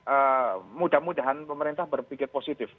eee mudah mudahan pemerintah berpikir positif